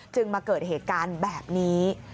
มาเกิดเหตุการณ์แบบนี้